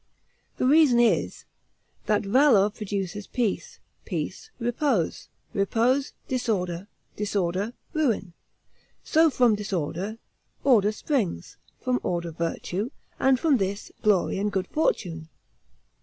The reason is, that valor produces peace; peace, repose; repose, disorder; disorder, ruin; so from disorder order springs; from order virtue, and from this, glory and good fortune.